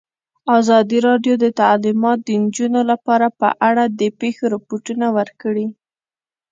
ازادي راډیو د تعلیمات د نجونو لپاره په اړه د پېښو رپوټونه ورکړي.